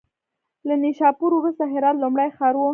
له نیشاپور وروسته هرات لومړی ښار و.